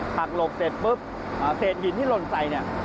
หักหลบเสร็จปุ๊บเสร็จหินที่ลงใส่